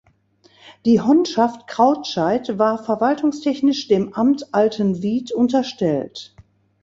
Die Honnschaft Krautscheid war verwaltungstechnisch dem Amt Altenwied unterstellt.